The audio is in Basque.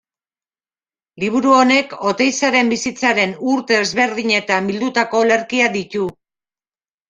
Liburu honek Oteizaren bizitzaren urte ezberdinetan bildutako olerkiak ditu.